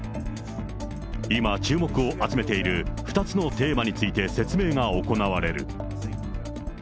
今、注目を集めている２つのテーマについて説明が行われる。